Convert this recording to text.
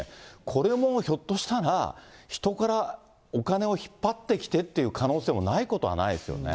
これもひょっとしたら、人からお金を引っ張ってきてって可能性もないことはないですよね。